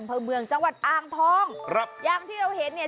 อำเภอเมืองจังหวัดอ่างทองครับอย่างที่เราเห็นเนี่ย